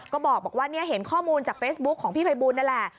ก็บอกว่าเนี่ยเห็นข้อมูลจากเฟซบุ๊คของพี่ภัยบูลนั่นแหละ